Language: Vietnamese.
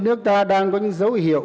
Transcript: nước ta đang có những dấu hiệu